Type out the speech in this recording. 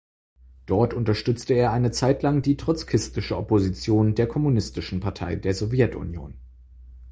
Dort unterstützte er eine Zeitlang die trotzkistische Opposition der Kommunistischen Partei der Sowjetunion.